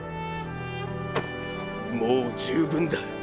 もう十分だ。